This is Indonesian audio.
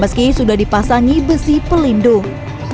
meski sudah dipasangi besi pelindung